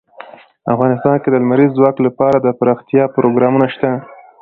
افغانستان کې د لمریز ځواک لپاره دپرمختیا پروګرامونه شته.